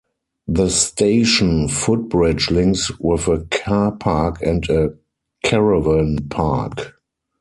The station footbridge links with a car park and a caravan park.